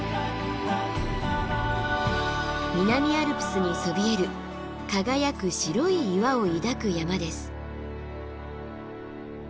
南アルプスにそびえる輝く白い岩を抱く山です。